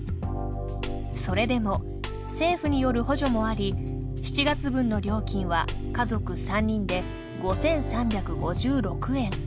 それでも政府による補助もあり７月分の料金は家族３人で５，３５６円。